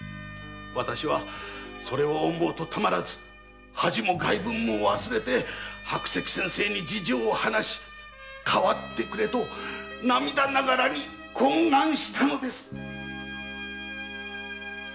私はそれを思うと恥も外聞も忘れて白石先生に代わってくれと涙ながらに懇願したのです。